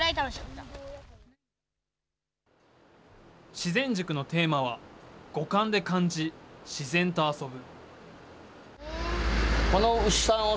自然塾のテーマは五感で感じ、自然と遊ぶ。